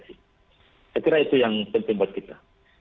saya kira itu yang penting buat kita